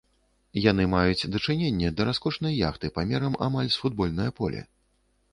Яны маюць дачыненне да раскошнай яхты памерам амаль з футбольнае поле.